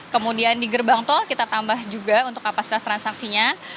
kemudian di gerbang tol kita tambah juga untuk kapasitas transaksinya